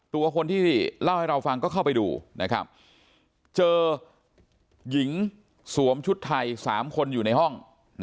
ตัวคนที่เล่าให้เราฟังก็เข้าไปดูนะครับเจอหญิงสวมชุดไทย๓คนอยู่ในห้อง